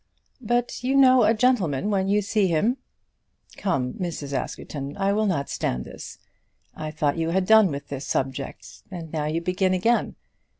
"But you know a gentleman when you see him." "Come, Mrs. Askerton, I will not stand this. I thought you had done with the subject, and now you begin again.